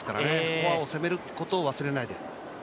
フォアを攻めることを忘れないで。